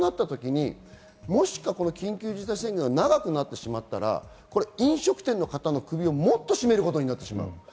もし緊急事態宣言が長くなってしまったら飲食店の方の首をもっと絞めることになってしまう。